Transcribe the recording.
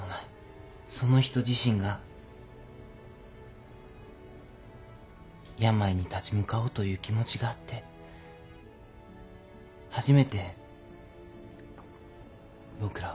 その人自身が病に立ち向かおうという気持ちがあって初めて僕らはその手助けができるんです。